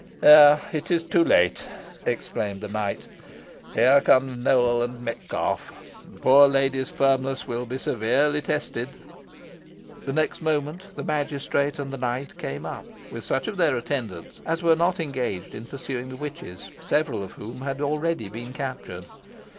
"Ah! it is too late," exclaimed the knight; "here come Nowell and Metcalfe. The poor lady's firmness will be severely tested." The next moment the magistrate and the knight came up, with such of their attendants as were not engaged in pursuing the witches, several of whom had already been captured.